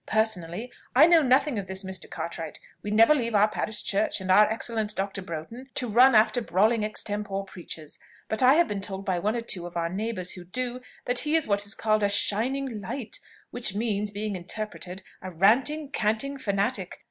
Personally I know nothing of this Mr. Cartwright; we never leave our parish church and our excellent Dr. Broughton, to run after brawling extempore preachers; but I have been told by one or two of our neighbours who do, that he is what is called a shining light; which means, being interpreted, a ranting, canting, fanatic.